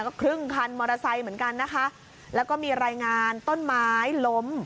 ก็ครึ่งคันมอเตอร์ไซค์เหมือนกันนะคะแล้วก็มีรายงานต้นไม้ล้ม